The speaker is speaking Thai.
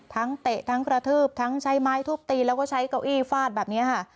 เตะทั้งกระทืบทั้งใช้ไม้ทุบตีแล้วก็ใช้เก้าอี้ฟาดแบบนี้ค่ะ